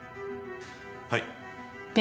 はい。